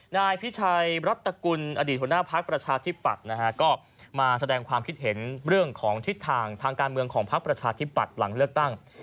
นายพิชัยรัฐกุลอดีตหัวหน้าพักประชาธิปัตย์นะฮะก็มาแสดงความคิดเห็นเรื่องของทิศทางทางการเมืองของพักประชาธิปัตย์หลังเลือกตั้ง